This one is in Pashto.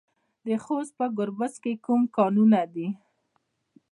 د خوست په ګربز کې کوم کانونه دي؟